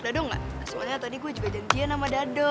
dado enggak soalnya tadi gue juga janjiin sama dado